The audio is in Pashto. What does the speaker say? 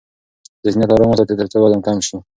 ذهنیت آرام وساتئ ترڅو وزن کم شي.